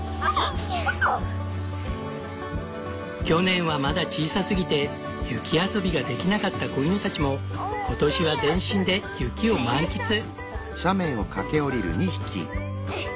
去年はまだ小さすぎて雪遊びができなかった子犬たちも今年は全身で雪を満喫！